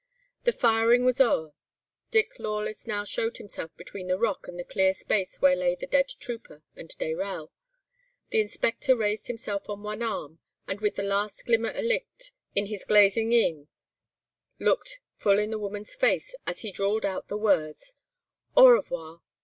"The firing was o'er, Dick Lawless now showed himself between the rock and the clear space where lay the dead trooper and Dayrell. The Inspector raised himself on one arm and with the last glimmer o'licht in his glazing e'en, looked full in the woman's face, as he drawled out the words, 'Au revoir!